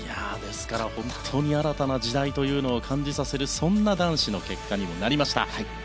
本当に新たな時代というのを感じさせる男子の結果にもなりました。